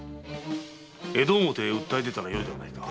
江戸表へ訴え出たらよいではないか。